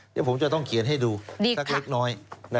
เดี๋ยวผมจะต้องเขียนให้ดูสักเล็กน้อย